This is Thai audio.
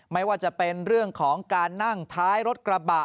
ไม่ว่าจะเป็นเรื่องของการนั่งท้ายรถกระบะ